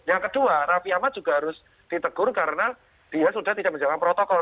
yang kedua raffi ahmad juga harus ditegur karena dia sudah tidak menjalankan protokol